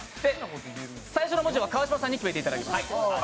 最後の文字は川島さんに決めていただきます。